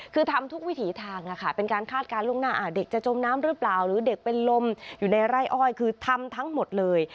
คือทำทุกวิถีทางเป็นการคาดการณ์ล่วงหน้าเด็กจะจมน้ำหรือเปล่าหรือเด็กเป็นลมอยู่ในไร่อ้อยคือทำทั้งหมดเลย